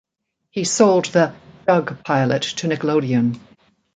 He sold the "Doug" pilot to Nickelodeon.